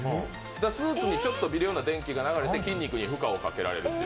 スーツにちょっと微量な電気が流れて筋肉に負荷をかけられるっていう。